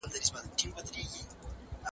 د کتابونو لوستل د انسان فکري وړتیاوې پراخوي.